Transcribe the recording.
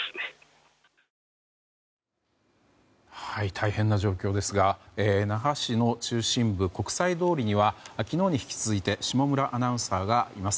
大変な状況ですが那覇市の中心部国際通りには昨日に引き続いて下村アナウンサーがいます。